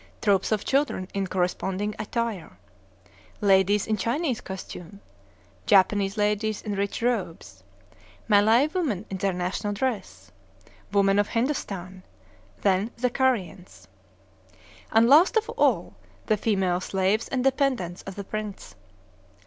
Troops of children in corresponding attire. Ladies in Chinese costume. Japanese ladies in rich robes. Malay women in their national dress. Women of Hindostan. Then the Kariens. And, last of all, the female slaves and dependants of the prince.